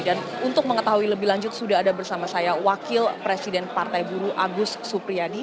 dan untuk mengetahui lebih lanjut sudah ada bersama saya wakil presiden partai buruh agus supriyadi